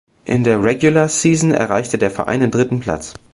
In der Regular season erreichte der Verein den dritten Platz.